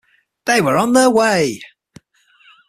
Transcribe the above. They were on their way!